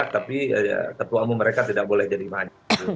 tapi ketua umum mereka tidak boleh jadi maju